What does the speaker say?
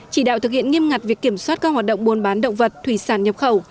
chỉ đạo thực hiện nghiêm ngặt việc kiểm soát các hoạt động buôn bán động vật thủy sản nhập khẩu